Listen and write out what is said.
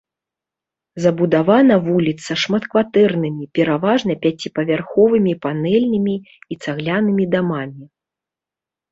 Забудавана вуліца шматкватэрнымі, пераважна пяціпавярховымі панэльнымі і цаглянымі дамамі.